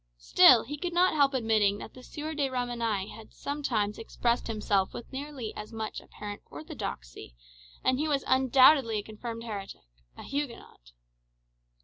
Still, he could not help admitting that the Sieur de Ramenais had sometimes expressed himself with nearly as much apparent orthodoxy; and he was undoubtedly a confirmed heretic a Huguenot.